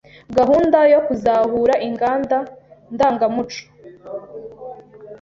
Gahunda yo kuzahura Inganda Ndangamuco